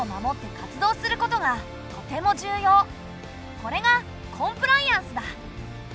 これが「コンプライアンス」だ。